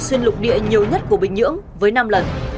xuyên lục địa nhiều nhất của bình nhưỡng với năm lần